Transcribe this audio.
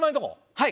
はい。